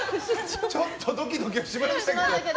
ちょっとドキドキはしましたけど。